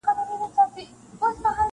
• زه مین پر هغه ملک پر هغه ښار یم -